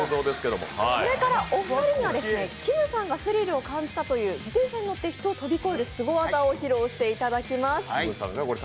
これからお二人には、きむさんがスリルを感じたという自転車に乗って人を飛び越えるすご技を披露していただきます。